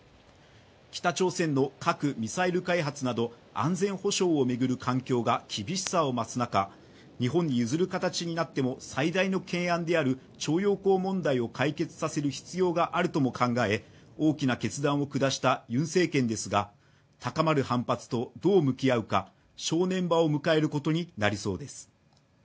北朝鮮の核・ミサイル開発など安全保障を巡る環境が厳しさを増す中日本に譲る形になっても最大の懸案である徴用工問題を解決させる必要があるとも考え大きな決断を下したユン政権ですが、高まる反発とどう向き合うか正念場を迎えることになりそうです。